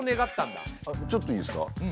あのちょっといいですか。